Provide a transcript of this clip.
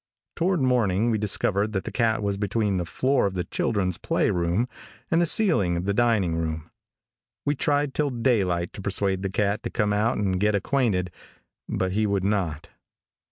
Toward morning we discovered that the cat was between the floor of the children's play room and the ceiling of the dining room. We tried till daylight to persuade the cat to come out and get acquainted, but he would not.